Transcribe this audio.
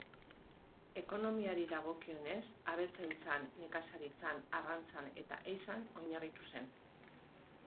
Ekonomiari dagokionez, abeltzaintzan, nekazaritzan, arrantzan eta ehizan oinarritu zen.